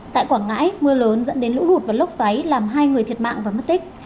tại quảng ngãi mưa lớn dẫn đến lũ lụt và lốc xoáy làm hai người thiệt mạng và mất tích